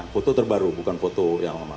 foto terbaru bukan foto yang